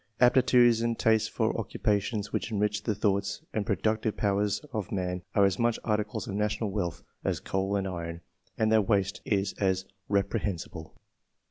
Aptitudes and tastes for occupations which enrich the thoughts and productive powers of man are as much articles of national wealth as coal and iron, and their waste is as repre hensible.